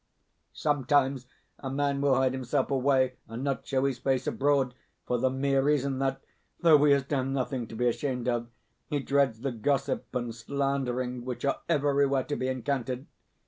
Sometimes a man will hide himself away, and not show his face abroad, for the mere reason that, though he has done nothing to be ashamed of, he dreads the gossip and slandering which are everywhere to be encountered.